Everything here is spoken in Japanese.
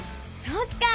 そっか！